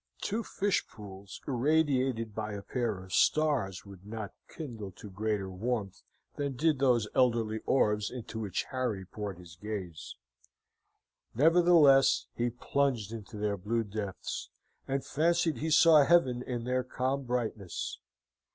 Two fish pools irradiated by a pair of stars would not kindle to greater warmth than did those elderly orbs into which Harry poured his gaze. Nevertheless, he plunged into their blue depths, and fancied he saw heaven in their calm brightness.